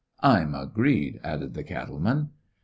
"I 'm agreed," added the cattle man.